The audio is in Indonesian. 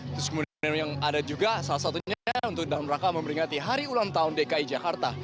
terus kemudian yang ada juga salah satunya untuk dalam rangka memberingati hari ulang tahun dki jakarta